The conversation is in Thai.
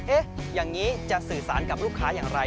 อย่างนี้จะสื่อสารกับลูกค้าอย่างไร